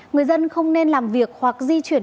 người dân không nên làm việc hoặc di chuyển